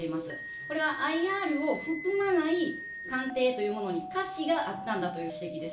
これはＩＲを含まない鑑定というものにかしがあったんだという指摘です。